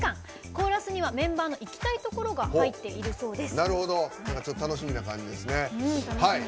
コーラスにはメンバーの行きたいところが楽しみな感じですね。